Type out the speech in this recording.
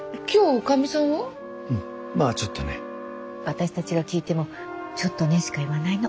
私たちが聞いてもちょっとねしか言わないの。